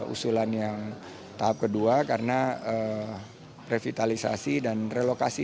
usulan yang tahap kedua karena revitalisasi dan relokasi